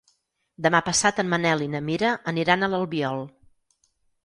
Demà passat en Manel i na Mira aniran a l'Albiol.